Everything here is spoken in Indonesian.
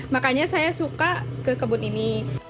makanya saya suka ke kebun ini